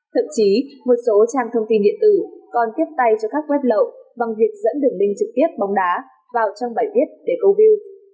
thậm chí một số trang thông tin điện tử còn tiếp tay cho các web lậu bằng việc dẫn đường link trực tiếp bóng đá vào trong bài viết để câu view